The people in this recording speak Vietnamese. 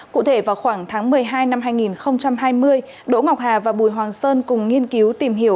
cụ thể vào khoảng tháng một mươi hai năm hai nghìn hai mươi đỗ ngọc hà và bùi hoàng sơn cùng nghiên cứu tìm hiểu